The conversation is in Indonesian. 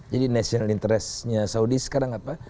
jadi national interestnya saudi sekarang apa